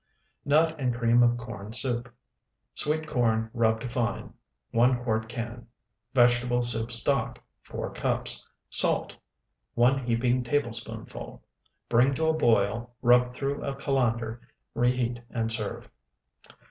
NUT AND CREAM OF CORN SOUP Sweet corn rubbed fine, 1 quart can. Vegetable soup stock, 4 cups. Salt, 1 heaping tablespoonful. Bring to a boil, rub through a colander, reheat, and serve.